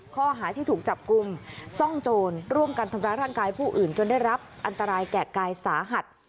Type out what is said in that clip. ข้อหาที่ถูกจับกลุ่มซ่องโจรร่วมกันทำร้ายร่างกายผู้อื่นจนได้รับอันตรายแก่กายสาหัส